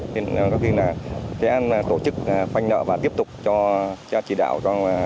thì có khi là sẽ tổ chức khoanh nợ và tiếp tục cho chỉ đạo